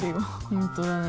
本当だね。